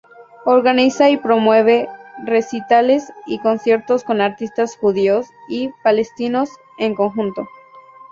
Organiza y promueve recitales y conciertos con artistas judíos y palestinos en conjunto.